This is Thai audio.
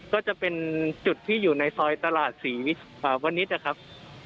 ก็จะเป็นจุดที่อยู่ในซอยตลาดศรีวณิชย์นะครับ